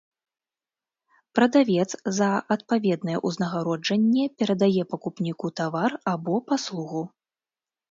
Прадавец за адпаведнае ўзнагароджанне перадае пакупніку тавар або паслугу.